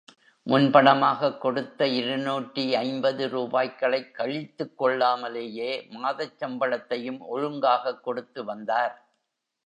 முன் பணமாகக் கொடுத்த இருநூற்று ஐம்பது ரூபாய்களைக் கழித்துக் கொள்ளாமலேயே மாதச் சம்பளத்தையும் ஒழுங்காகக் கொடுத்து வந்தார்.